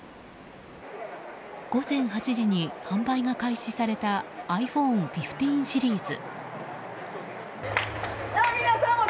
午前８時に販売が開始されたｉＰｈｏｎｅ１５シリーズ。